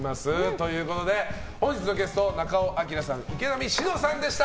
ということで、本日のゲスト中尾彬さん、池波志乃さんでした。